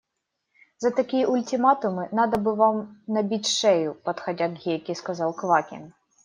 – За такие ультиматумы надо бы вам набить шею, – подходя к Гейке, сказал Квакин.